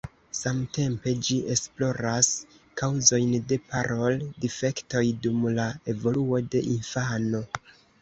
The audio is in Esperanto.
Samtempe ĝi esploras kaŭzojn de parol-difektoj dum la evoluo de infano.